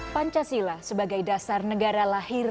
pancasila sebagai dasar negara lahir